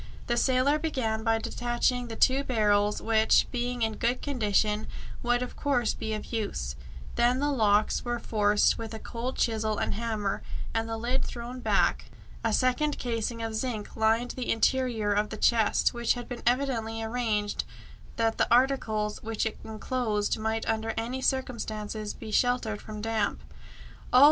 The sailor began by detaching the two barrels, which, being in good condition, would of course be of use. Then the locks were forced with a cold chisel and hammer, and the lid thrown back. A second casing of zinc lined the interior of the chest, which had been evidently arranged that the articles which it enclosed might under any circumstances be sheltered from damp. "Oh!"